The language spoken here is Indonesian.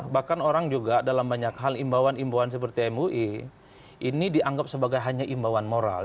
bahkan orang juga dalam banyak hal imbauan imbauan seperti mui ini dianggap sebagai hanya imbauan moral